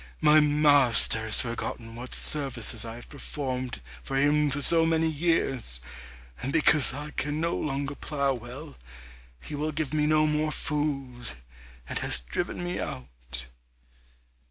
My master has forgotten what services I have performed for him for so many years, and because I can no longer plough well, he will give me no more food, and has driven me out."